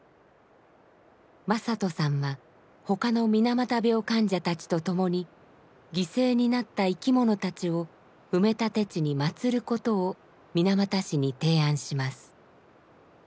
正人さんは他の水俣病患者たちと共に犠牲になった生き物たちを埋め立て地にまつることを水俣市に提案します。